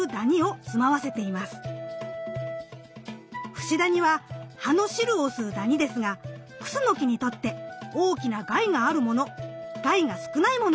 フシダニは葉の汁を吸うダニですがクスノキにとって大きな害があるもの害が少ないものがいます。